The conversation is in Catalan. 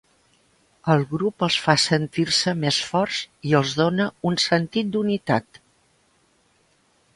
El grup els fa sentir-se més forts i els dóna un sentit d'unitat.